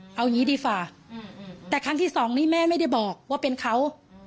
เอาอย่างนี้ดีกว่าแต่ครั้งที่สองนี้แม่ไม่ได้บอกว่าเป็นเขา